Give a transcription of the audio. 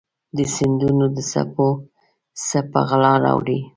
د سیندونو د څپو څه په غلا راوړي